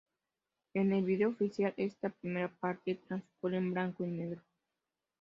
En el vídeo oficial, esta primera parte transcurre en blanco y negro.